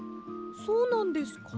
そうなんですか？